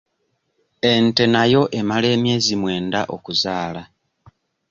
Ente nayo emala emyezi mwenda okuzaala.